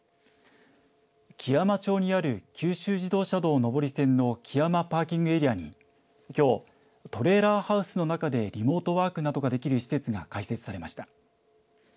基山町にある九州自動車道上り線の基山パーキングエリアにきょうトレーラーハウスの中でリモートワークなどができる施設が開設されました。